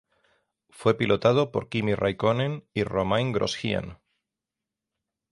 Fue pilotado por Kimi Räikkönen y Romain Grosjean.